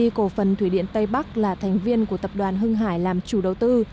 vì cổ phần thủy điện tây bắc là thành viên của tập đoàn hưng hải làm chủ đầu tư